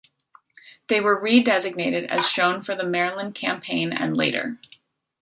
They were redesignated as shown for the Maryland Campaign and later.